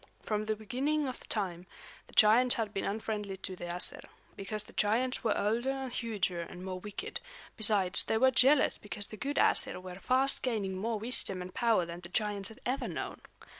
From the beginning of time, the giants had been unfriendly to the Æsir, because the giants were older and huger and more wicked; besides, they were jealous because the good Æsir were fast gaining more wisdom and power than the giants had ever known.